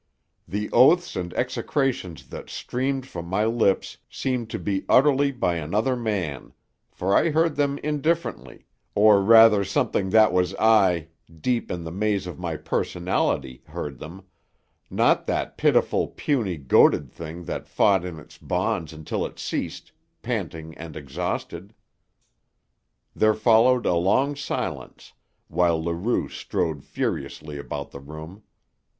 The oaths and execrations that streamed from my lips seemed to be uttered by another man, for I heard them indifferently, or rather something that was I, deep in the maze of my personality, heard them not that pitiful, puny, goaded thing that fought in its bonds until it ceased, panting and exhausted. There followed a long silence, while Leroux strode furiously about the room.